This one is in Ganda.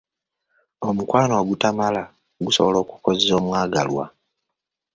Omukwano ogutamala gusobola okukozza omwagalwa.